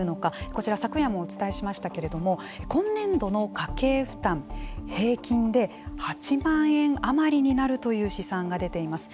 こちら昨夜もお伝えしましたけれども今年度の家計負担平均で８万円余りになるという試算が出ています。